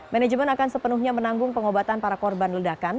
manajemen akan sepenuhnya menanggung pengobatan para korban ledakan